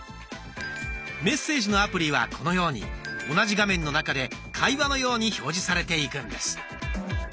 メッセージのアプリはこのように同じ画面の中で会話のように表示されていくんです。